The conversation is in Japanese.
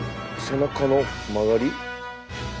背中の曲がり？